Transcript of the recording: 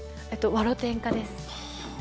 「わろてんか」です。